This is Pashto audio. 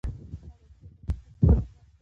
ازادي راډیو د بانکي نظام حالت په ډاګه کړی.